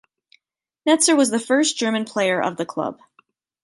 Netzer was the first german player of the club.